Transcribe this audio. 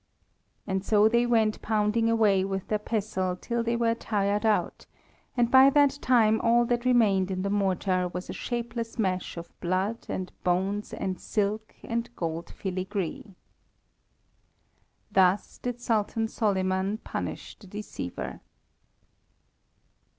And so they went pounding away with their pestle till they were tired out, and by that time all that remained in the mortar was a shapeless mash of blood and bones and silk and gold filigree. Thus did Sultan Soliman punish the deceiver.